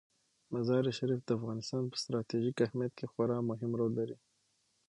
مزارشریف د افغانستان په ستراتیژیک اهمیت کې خورا مهم رول لري.